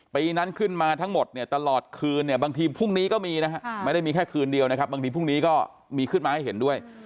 ปีนั้นขึ้นมาทั้งหมดเนี่ยตลอดคืนเนี่ยบางทีพรุ่งนี้ก็มีนะฮะไม่ได้มีแค่คืนเดียวนะครับบางทีพรุ่งนี้ก็มีขึ้นมาให้เห็นด้วย